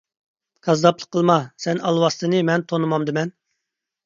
كاززاپلىق قىلما، سەن ئالۋاستىنى مەن تونۇمامدىمەن؟